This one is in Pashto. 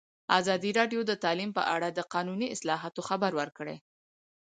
ازادي راډیو د تعلیم په اړه د قانوني اصلاحاتو خبر ورکړی.